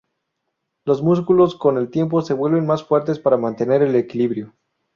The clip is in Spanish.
Los músculos con el tiempo se vuelven más fuertes para mantener el equilibrio.